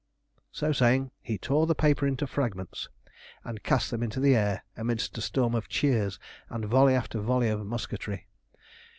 So saying, he tore the paper into fragments and cast them into the air amidst a storm of cheers and volley after volley of musketry.